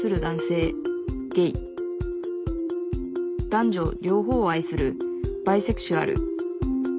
男女両方を愛するバイセクシュアル。